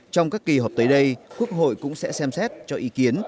trong các kỳ họp tới đây quốc hội cũng sẽ xem xét cho ý kiến